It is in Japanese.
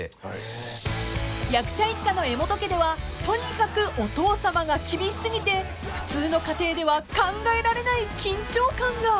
［役者一家の柄本家ではとにかくお父さまが厳し過ぎて普通の家庭では考えられない緊張感が］